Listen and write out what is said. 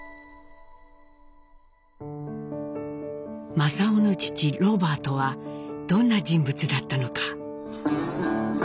正雄の父ロバートはどんな人物だったのか。